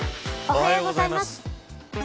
おはようございます。